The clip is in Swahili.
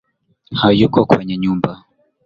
Hayuko kwenye nyumba